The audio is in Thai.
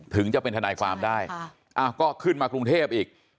ถึงจะเป็นทนายความได้ก็ขึ้นมากรุงเทพอีก